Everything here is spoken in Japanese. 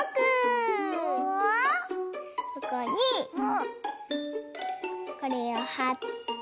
ここにこれをはって。